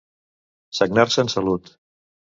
Sagnar-se en salut.